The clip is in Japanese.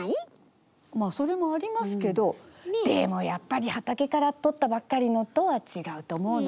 まあそれもありますけどでもやっぱり畑からとったばかりのとは違うと思うな。